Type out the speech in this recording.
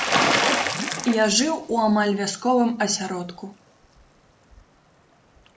Я жыў у амаль вясковым асяродку.